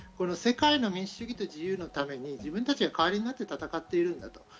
世界の民主主義と自由のために自分たちが変わりになって戦っているんだと。